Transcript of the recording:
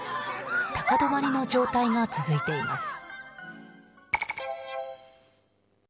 高止まりの状態が続いています。